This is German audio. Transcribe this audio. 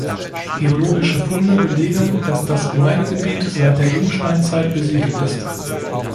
Geologische Funde belegen, dass das Gemeindegebiet seit der Jungsteinzeit besiedelt ist.